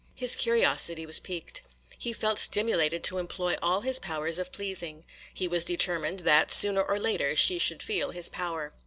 His curiosity was piqued. He felt stimulated to employ all his powers of pleasing. He was determined that, sooner or later, she should feel his power.